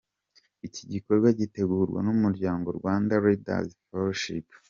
Iki gikorwa gitegurwa n’Umuryango Rwanda Leaders Fellowship.